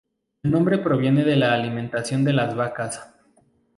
El nombre proviene de la alimentación de las vacas.